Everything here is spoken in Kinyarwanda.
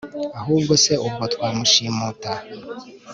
ahubwo se ubwo twamushimuta